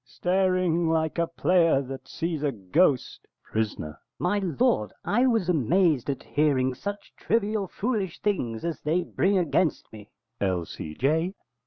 staring like a player that sees a ghost! Pris. My lord, I was amazed at hearing such trivial, foolish things as they bring against me. _L.C.J.